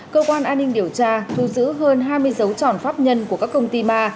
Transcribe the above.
cơ quan an ninh điều tra thu giữ hơn hai mươi dấu tròn pháp nhân của các công ty ma